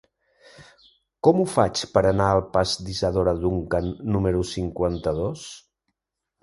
Com ho faig per anar al pas d'Isadora Duncan número cinquanta-dos?